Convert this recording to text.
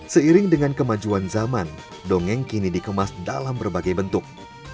seiring dengan kemajuan zaman dongeng kini dikemas dalam berbagai bentuk